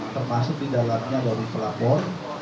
termasuk di dalamnya dari pelapor